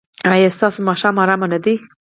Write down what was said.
ایا ستاسو ماښام ارام نه دی؟